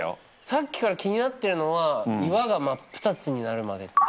さっきから気になってるのは「岩が真っ二つになるまで」